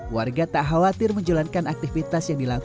warga tak khawatir menjalankan aktivitas yang dilakukan